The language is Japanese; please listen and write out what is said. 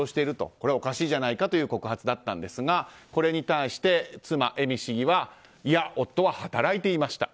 これはおかしいじゃないかという告発だったんですがこれに対して妻・恵美市議はいや、夫は働いていました。